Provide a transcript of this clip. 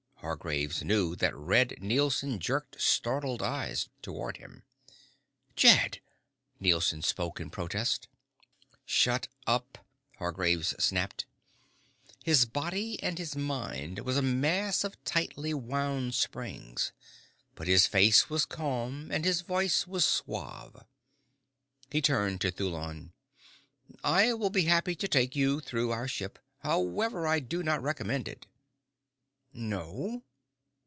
Hargraves knew that Red Nielson jerked startled eyes toward him. "Jed!" Nielson spoke in protest. "Shut up!" Hargraves snapped. His body and his mind was a mass of tightly wound springs but his face was calm and his voice was suave. He turned to Thulon. "I will be glad to take you through our ship. However, I do not recommend it." "No?"